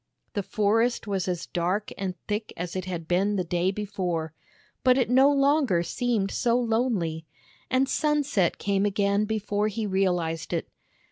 The forest was as dark and thick as it had been the day before, but it no longer seemed so lonely, and sunset came again before THE BAG OF SMILES he realized it.